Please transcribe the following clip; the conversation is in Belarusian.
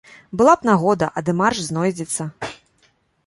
Была б нагода, а дэмарш знойдзецца.